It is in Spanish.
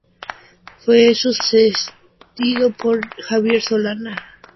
Fue sucedido por Javier Solana.